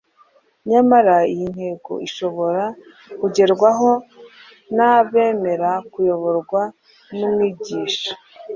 Nyamara iyi ntego ishobora kugerwaho n’abemera kuyoborwa n’Umwigisha.